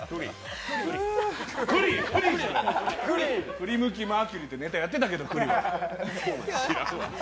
くりむきマーキュリーってネタやってたけど。